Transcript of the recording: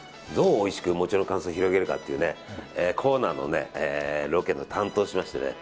どうおいしく餅の感想を広げるかというコーナーのロケの担当をしまして。